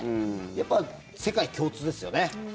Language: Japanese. やっぱり世界共通ですよね。